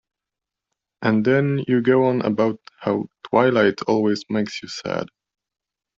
And then you go on about how twilight always makes you sad.